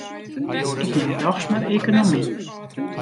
Ik nim dochs mar ekonomy.